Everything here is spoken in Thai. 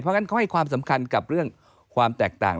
เพราะงั้นเขาให้ความสำคัญกับเรื่องความแตกต่าง